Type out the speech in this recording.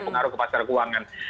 pengaruh ke pasar keuangan